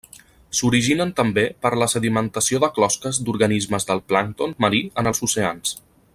S'originen també per la sedimentació de closques d'organismes del plàncton marí en els oceans.